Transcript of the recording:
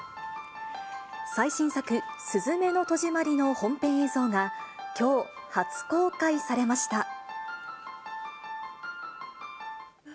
最新作、すずめの戸締まりの本編映像がきょう初公開されました。